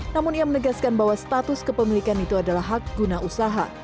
namun ia menegaskan bahwa status kepemilikan itu adalah hak guna usaha